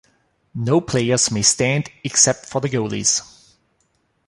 No players may stand except for the goalies.